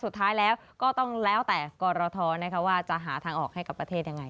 สุดท้ายแล้วก็ต้องแล้วแต่กรทว่าจะหาทางออกให้กับประเทศยังไง